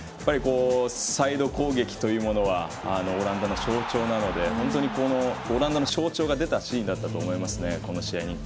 サイド攻撃というものはオランダの象徴なのでオランダの象徴が出たシーンだと思います。